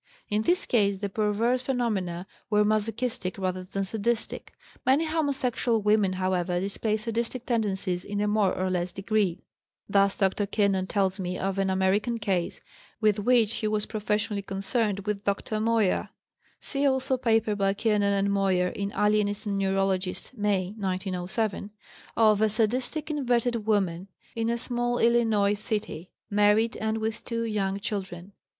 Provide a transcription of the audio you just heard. In this case the perverse phenomena were masochistic rather than sadistic. Many homosexual women, however, display sadistic tendencies in a more or less degree. Thus Dr. Kiernan tells me of an American case, with which he was professionally concerned with Dr. Moyer (see also paper by Kiernan and Moyer in Alienist and Neurologist, May, 1907), of a sadistic inverted woman in a small Illinois city, married and with two young children.